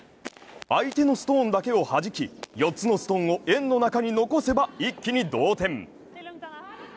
相手のストーンだけをはじき４つのストーンを円の中に残せば一気に同点。